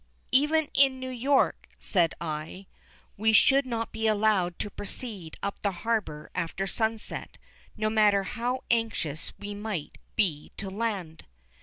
"Even in New York," said I, "we should not be allowed to proceed up the harbour after sunset, no matter how anxious we might be to land."